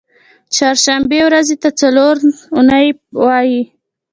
چهارشنبې ورځی ته څلور نۍ وایی